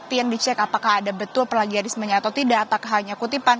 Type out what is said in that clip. kemudian dicek apakah ada betul plagiarismenya atau tidak apakah hanya kutipan